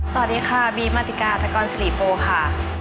สวัสดีค่ะบีมาติกาแต่กรสิริโปค่ะ